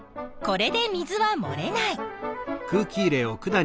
これで水はもれない。